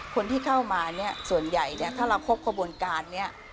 คนที่เข้ามาเนี่ยส่วนใหญ่เนี่ยถ้าเราครบกระบวนการนี้